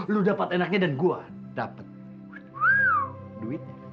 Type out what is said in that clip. lo dapat enaknya dan gue dapat duitnya